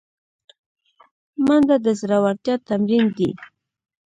منډه د زړورتیا تمرین دی